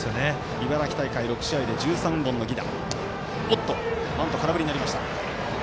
茨城大会６試合で１３本の犠打。